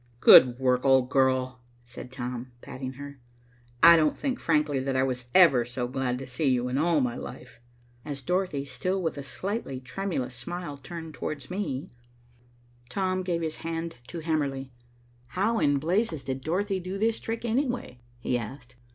"Good work, old girl," said Tom, patting her. "I don't think, frankly, that I was ever so glad to see you in all my life." As Dorothy, still with a slightly tremulous smile, turned towards me, Tom gave his hand to Hamerly. "How in blazes did Dorothy do this trick, anyway?" he asked.